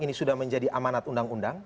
ini sudah menjadi amanat undang undang